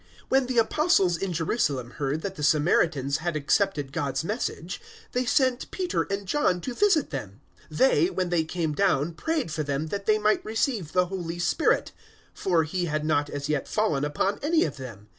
008:014 When the Apostles in Jerusalem heard that the Samaritans had accepted God's Message, they sent Peter and John to visit them. 008:015 They, when they came down, prayed for them that they might receive the Holy Spirit: 008:016 for He had not as yet fallen upon any of them.